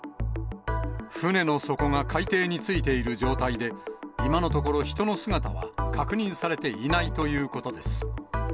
船の底が海底についている状態で、今のところ、人の姿は確認されていないということです。